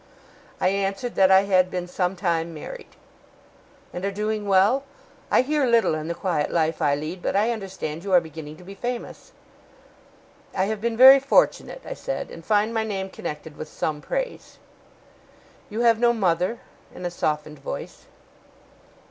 I answered that I had been some time married. 'And are doing well? I hear little in the quiet life I lead, but I understand you are beginning to be famous.' 'I have been very fortunate,' I said, 'and find my name connected with some praise.' 'You have no mother?' in a softened voice.